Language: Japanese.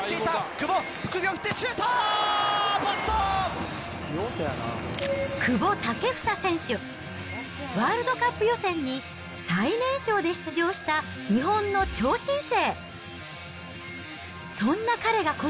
久保建英選手、ワールドカップ予選に最年少で出場した日本の超新星。